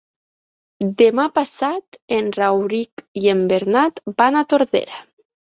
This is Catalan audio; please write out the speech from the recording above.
Demà passat en Rauric i en Bernat van a Tordera.